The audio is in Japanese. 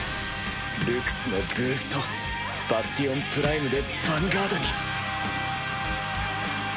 ルクスのブーストバスティオン・プライムでヴァンガードに！